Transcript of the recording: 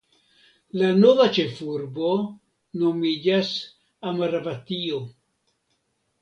La nova ĉefurbo nomiĝas Amaravatio.